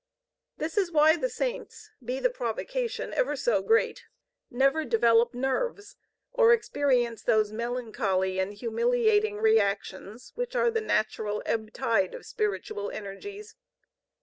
This is why the Saints, be the provocation ever so great, never develop nerves, or experience those melancholy and humiliating reactions which are the natural ebb tide of spiritual energies.